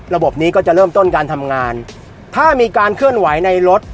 ระบบนี้ก็จะเริ่มต้นการทำงานถ้ามีการเคลื่อนไหวในรถ